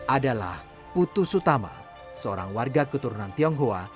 adalah putu sutama seorang warga keturunan tionghoa